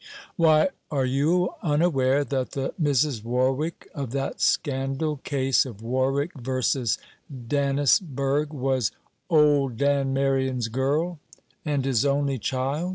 Why, are you unaware that the Mrs. Warwick of that scandal case of Warwick versus Dannisburgh was old Dan Merion's girl and his only child?